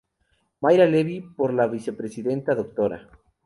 Mayra Levy, por la vicepresidenta Dra.